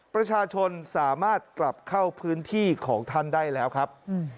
ประชาชนสามารถกลับเข้าพื้นที่ของท่านได้แล้วครับ